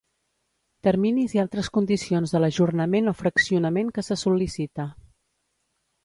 Terminis i altres condicions de l'ajornament o fraccionament que se sol·licita.